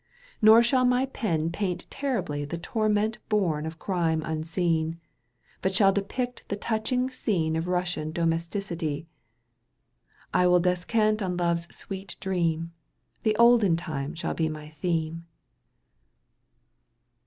73 Nor shall my pen paint terribly The torment bom of crime unseen, But shaU depict the touching scene Of Bussian domesticity ; I win descaijt on love's sweet dream, The olden time shaU be my thema XIV.